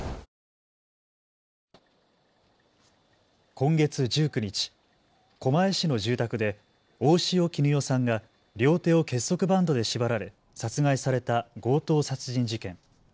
今月１９日、狛江市の住宅で大塩衣與さんが両手を結束バンドで縛られ殺害された強盗殺人事件。